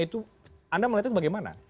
itu anda melihatnya bagaimana